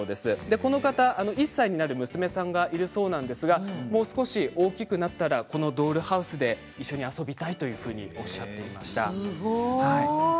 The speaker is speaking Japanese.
この方は１歳の娘さんがいるそうなんですけれどもう少し大きくなったらこのドールハウスで遊びたいとおっしゃっていました。